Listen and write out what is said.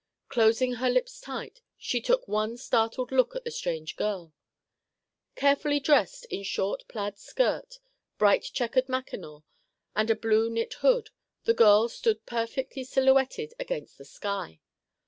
Closing her lips tight, she took one startled look at the strange girl. Carefully dressed in short plaid skirt, bright checkered mackinaw, and a blue knit hood; the girl stood perfectly silhouetted against the sky.